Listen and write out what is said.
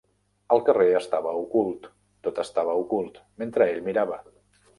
El carrer estava ocult, tot estava ocult, mentre ell mirava.